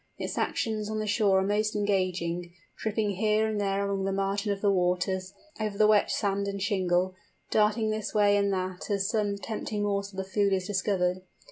Its actions on the shore are most engaging, tripping here and there along the margin of the waves, over the wet sand and shingle, darting this way and that as some tempting morsel of food is discovered.